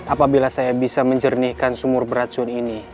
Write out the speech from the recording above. apabila saya bisa menjernihkan sumur beracun ini